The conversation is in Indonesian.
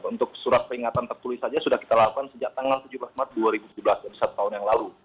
untuk surat peringatan tertulis saja sudah kita lakukan sejak tanggal tujuh belas maret dua ribu tujuh belas dari satu tahun yang lalu